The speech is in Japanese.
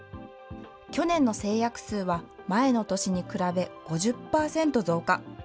去年の成約数は、前の年に比べ５０％増加。